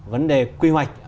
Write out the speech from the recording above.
vấn đề quy hoạch